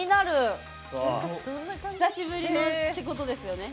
久しぶりってことですよね。